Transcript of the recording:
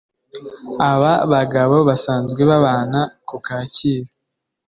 Aba bagabo basanzwe babana ku Kacyiru